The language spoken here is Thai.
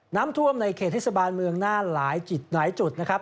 น้ำท่วมในเขตเทศบาลเมืองน่านหลายจุดหลายจุดนะครับ